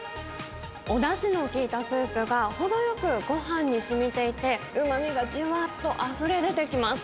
おだしの効いたスープが、ほどよくごはんにしみていて、うまみがじゅわっとあふれ出てきます。